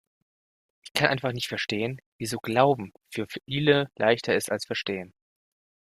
Ich kann einfach nicht verstehen, wieso Glauben für viele leichter ist als Verstehen.